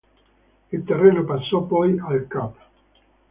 Il terreno passò poi al Cav.